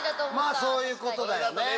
まぁそういうことだよね。